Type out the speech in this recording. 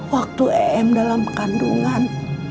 waktu eem dalam kandungan